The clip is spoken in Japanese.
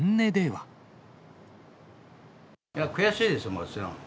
悔しいですよ、もちろん。